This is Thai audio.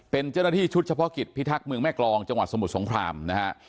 เป็นเจ้าหน้าที่ชุดเฉพาะกิจพิทักษ์เมืองแม่กรองจังหวัดสมุทรสงครามนะฮะ